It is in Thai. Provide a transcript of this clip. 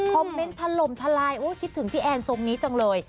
คอมเม้นท์ทะลมทะลายคิดถึงพี่แอนทรงนี้จังเลย